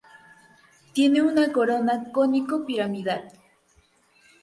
Tiene una corona cónico-piramidal.